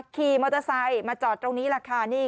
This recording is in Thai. ขี่มอเตอร์ไซล์มาจอดตรงนี้